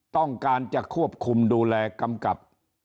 ต้องการจะควบคุมดูแลกำกับ